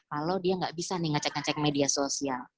kalau dia nggak bisa nih ngecek ngecek media sosial